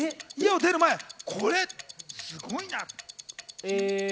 これすごいな。